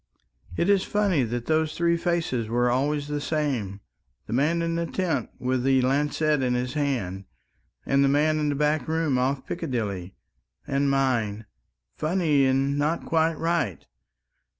"It is funny that those three faces were always the same ... the man in the tent with the lancet in his hand, and the man in the back room off Piccadilly ... and mine. Funny and not quite right.